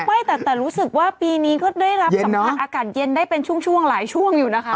ไม่แต่รู้สึกว่าปีนี้ก็ได้รับสัมผัสอากาศเย็นได้เป็นช่วงหลายช่วงอยู่นะคะ